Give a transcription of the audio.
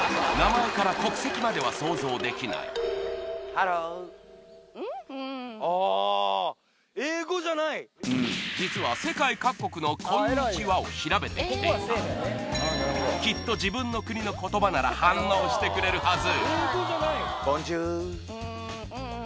彼女のあーあばれ実は世界各国の「こんにちは」を調べてきていたきっと自分の国の言葉なら反応してくれるはず